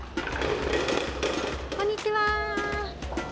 こんにちは。